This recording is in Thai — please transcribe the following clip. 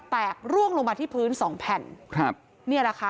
กร่วงลงมาที่พื้นสองแผ่นครับเนี่ยแหละค่ะ